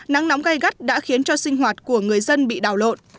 nắng nóng gai gắt đã khiến cho sinh hoạt của người dân bị đào lộn